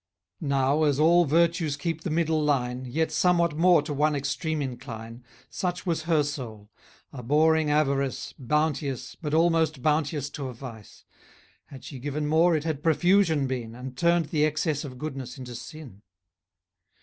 Now, as all virtues keep the middle line, Yet somewhat more to one extreme incline, Such was her soul; abhorring avarice, Bounteous, but almost bounteous to a vice; Had she given more, it had profusion been, And turned the excess of goodness into sin.